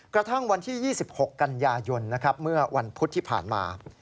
กระทั่งวันที่๒๖กันยายนเมื่อวันพุธที่ผ่านมา